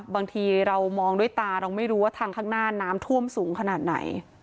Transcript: บางทีเรามองด้วยตาเราไม่รู้ว่าทางข้างหน้าน้ำท่วมสูงขนาดไหน